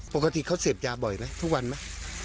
ปกติเขาเสพยาบ่อยไหมทุกวันไหม